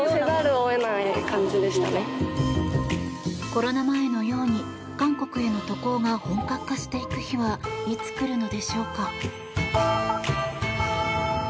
コロナ前のように韓国への渡航が本格化していく日はいつ来るのでしょうか。